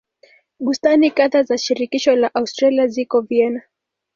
Bustani kadhaa za shirikisho la Austria ziko Vienna.